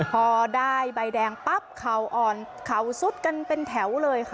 พอได้ใบแดงปั๊บเข่าอ่อนเข่าซุดกันเป็นแถวเลยค่ะ